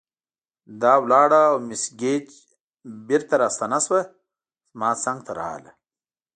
دا ولاړه او مس ګېج بیرته راستنه شوه، زما څنګ ته راغله.